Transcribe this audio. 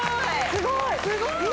すごい！